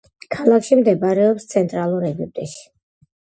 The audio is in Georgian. ქალაქში მდებარეობს ცენტრალურ ეგვიპტეში.